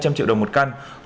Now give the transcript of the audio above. cùng nhiều phần quà có giá trị